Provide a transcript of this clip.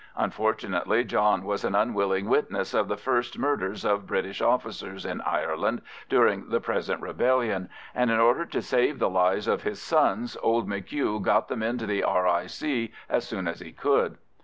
Unfortunately John was an unwilling witness of the first murders of British officers in Ireland during the present rebellion, and in order to save the lives of his sons old M'Hugh got them into the R.I.C. as soon as he could.